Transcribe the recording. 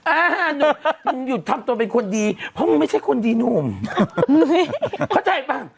อ่าหนุ่มมึงหยุดทำตัวเป็นคนดีเพราะมึงไม่ใช่คนดีหนุ่มเข้าใจป่ะ